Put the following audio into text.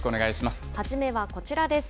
初めはこちらです。